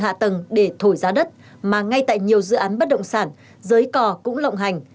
hạ tầng để thổi giá đất mà ngay tại nhiều dự án bất động sản giới cò cũng lộng hành